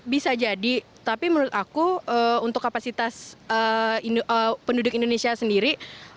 bisa jadi tapi menurut aku untuk kapasitas penduduk indonesia sendiri